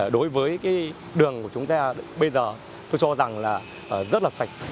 đối với đường của chúng ta bây giờ tôi cho rằng rất là sạch